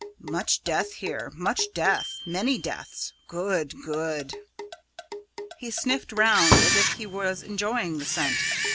"Much death here big death. Many deaths. Good, good!" He sniffed round as if he was enjoying the scent.